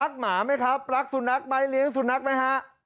หมาไหมครับรักสุนัขไหมเลี้ยงสุนัขไหมฮะ